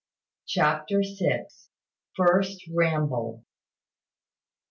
CHAPTER SIX. FIRST RAMBLE.